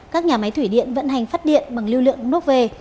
các nhà máy thủy điện vận hành phát điện bằng lưu lượng nước về